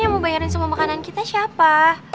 yang mau bayarin semua makanan kita siapa